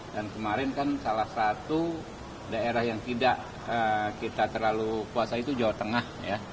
dan kemarin kan salah satu daerah yang tidak kita terlalu puasa itu jawa tengah